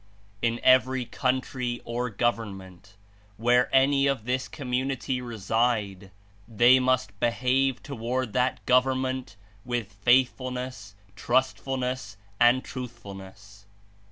"In every country or government, where any of this community reside, they must behave toward that gov ernment with faithfulness, trustfulness and truthful ness."